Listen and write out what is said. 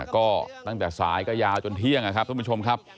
ก็ตั้งแต่สายก็ยาวจนเที่ยงนะครับท่านผู้ชมครับ